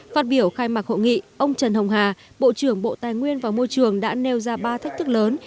phát biểu khai mạc hội nghị ông trần hồng hà bộ trưởng bộ tài nguyên và môi trường đã nêu ra ba thách thức lớn